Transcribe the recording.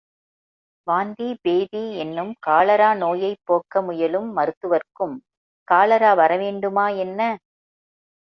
வாந்தி பேதி என்னும் காலரா நோயைப் போக்க முயலும் மருத்துவர்க்கும் காலரா வரவேண்டுமா என்ன?